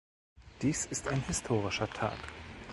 Dies ist ein historischer Tag.